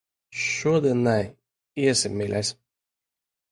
Šodien ne. Iesim, mīļais.